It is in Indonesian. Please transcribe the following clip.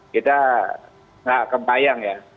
kita nggak kebayang ya